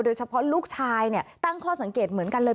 โดยเฉพาะลูกชายตั้งข้อสังเกตเหมือนกันเลย